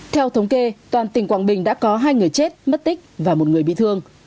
theo thống kê toàn tỉnh quảng bình đã có hai người chết mất tích và một người bị thương